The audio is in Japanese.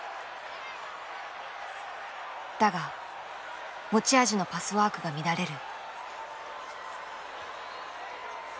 だが持ち味のパスワークが乱れる。